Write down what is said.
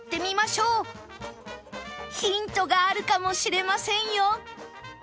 ヒントがあるかもしれませんよ